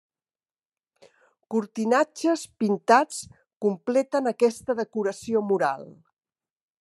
Cortinatges pintats completen aquesta decoració mural.